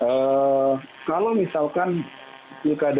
apakah itu sampai dan akan memanggil di biaya